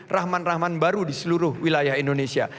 rahman rahman baru di seluruh wilayah indonesia